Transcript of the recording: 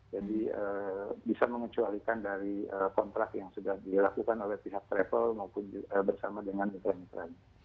jadi bisa mengecualikan dari kontrak yang sudah dilakukan oleh pihak travel maupun bersama dengan perang perang